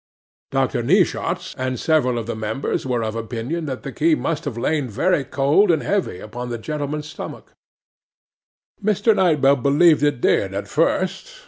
'DR. NEESHAWTS and several of the members were of opinion that the key must have lain very cold and heavy upon the gentleman's stomach. 'MR. KNIGHT BELL believed it did at first.